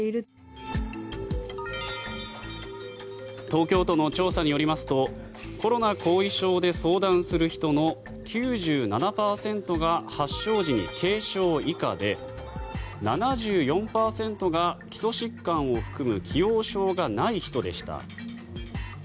東京都の調査によりますとコロナ後遺症で相談する人の９７％が発症時に軽症以下で７４％が基礎疾患を含む既往症がない人でした。